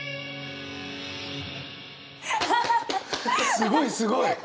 すごいすごい。